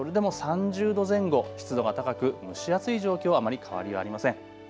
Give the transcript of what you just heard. それでも３０度前後、湿度が高く蒸し暑い状況はあまり変わりはありません。